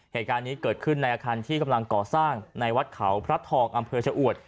เหตุการณ์นี้เกิดขึ้นในอาคารที่กำลังก่อสร้างในวัดเขาพระทองอำเภอชะอวด